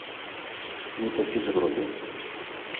Мы так і зробім!